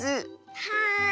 はい！